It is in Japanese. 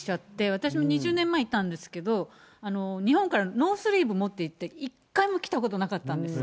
私も２０年前いたんですけど、日本からノースリーブ持っていって、一回も着たことなかったんです。